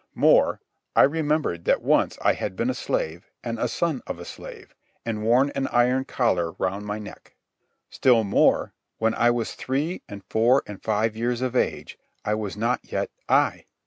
More—I remembered that once I had been a slave and a son of a slave, and worn an iron collar round my neck. Still more. When I was three, and four, and five years of age, I was not yet I.